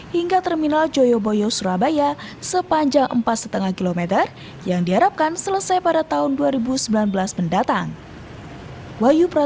hingga terminal joyoboyo surabaya sepanjang empat lima km yang diharapkan selesai pada tahun dua ribu sembilan belas mendatang